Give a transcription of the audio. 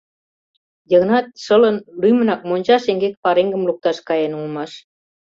Йыгнат, шылын, лӱмынак монча шеҥгек пареҥгым лукташ каен улмаш.